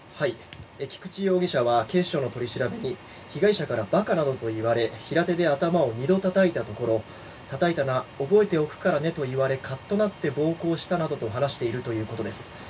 菊池容疑者は警視庁の取り調べに被害者から馬鹿などと言われ平手で頭を２度たたいたところたたいたのは覚えておくからねと言われカッとなって暴行したなどと話しているということです。